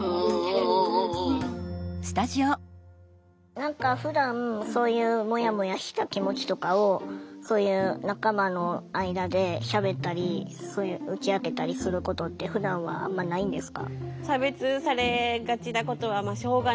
何かふだんそういうもやもやした気持ちとかをそういう仲間の間でしゃべったり打ち明けたりすることってふだんはあんまないんですか？